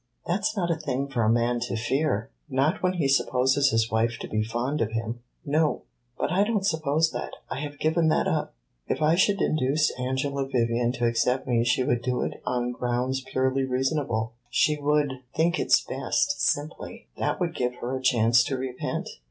"That 's not a thing for a man to fear." "Not when he supposes his wife to be fond of him no. But I don't suppose that I have given that up. If I should induce Angela Vivian to accept me she would do it on grounds purely reasonable. She would think it best, simply. That would give her a chance to repent."